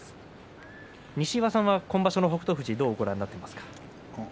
西岩さんは今場所の北勝富士どうご覧になりますか？